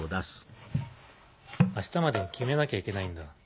明日までに決めなきゃいけないんだ。